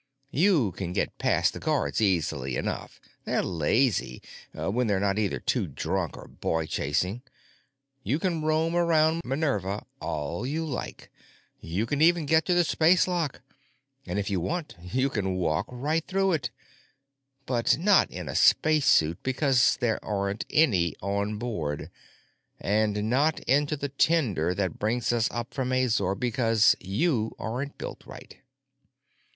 You can get past the guards easy enough—they're lazy, when they're not either drunk or boy chasing. You can roam around 'Minerva' all you like. You can even get to the spacelock, and if you want to you can walk right through it. But not in a spacesuit, because there aren't any on board. And not into the tender that brings us up from Azor, because you aren't built right."